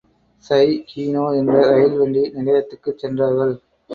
சைகீனோ என்ற ரயில்வண்டி நிலையத்துக்குச் சென்றார்கள்.